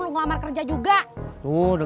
gue yakin bapak lu juga nyuruh